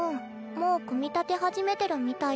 もう組み立て始めてるみたいだから。